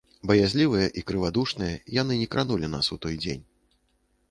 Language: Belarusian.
Баязлівыя і крывадушныя, яны не кранулі нас у той дзень.